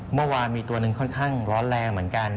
เมื่อวานมีตัวหนึ่งค่อนข้างร้อนแรงเหมือนกัน